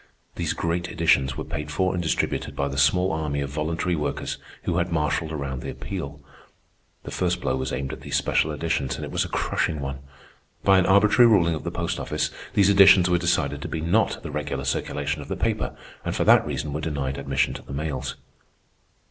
These great editions were paid for and distributed by the small army of voluntary workers who had marshalled around the Appeal. The first blow was aimed at these special editions, and it was a crushing one. By an arbitrary ruling of the Post Office, these editions were decided to be not the regular circulation of the paper, and for that reason were denied admission to the mails.